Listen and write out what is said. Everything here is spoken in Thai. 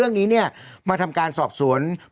ไปฟังเสียหายแล้วก็ผู้จัดงานกันสักนิดหนึ่งนะครับ